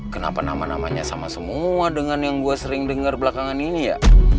kenapa nama namanya sama semua dengan yang gue sering dengar belakangan ini ya